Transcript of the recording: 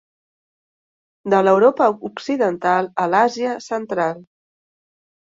De l'Europa occidental a l'Àsia central.